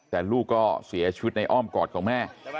แต่ลูกก็เสียชีวิตในอ้อมกอดของแม่